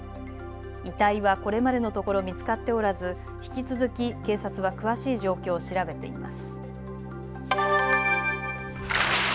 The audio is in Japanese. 遺体はこれまでのところ見つかっておらず引き続き警察は詳しい状況を調べています。